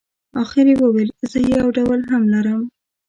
اخر یې وویل زه یو ډول هم لرم.